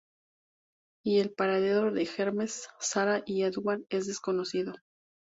Y el paradero de Hermes, Sarah y Edward es desconocido.